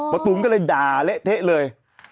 ตูมก็เลยด่าเละเทะเลย